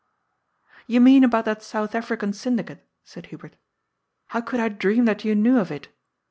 " You mean about that South African Syndicate," said Hubert. "How could I dream that you knew of it?